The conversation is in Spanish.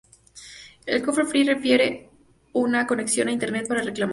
El cofre Free requiere una conexión a Internet para reclamar.